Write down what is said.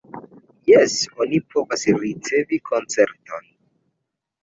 Jes, oni povas ricevi koncerton.